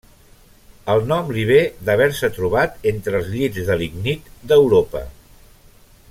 El nom li ve d'haver-se trobat entre els llits de lignit d'Europa.